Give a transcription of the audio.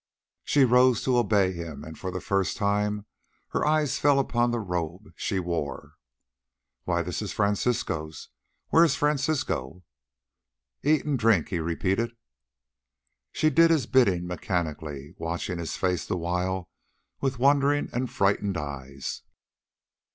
She rose to obey him, and for the first time her eyes fell upon the robe she wore. "Why, this is Francisco's! Where is Francisco?" "Eat and drink," he repeated. She did his bidding mechanically, watching his face the while with wondering and frightened eyes.